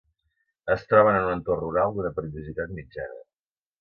Es troben en un entorn rural d'una perillositat mitjana.